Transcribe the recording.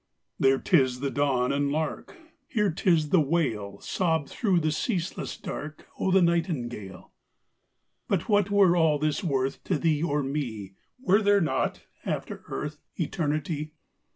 There 'tis the dawn and lark: Here 'tis the wail, Sobbed through the ceaseless dark, O' the nightingale. But what were all this worth To thee or me, Were there not, after earth, Eternity?